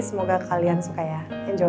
semoga kalian suka ya enjoy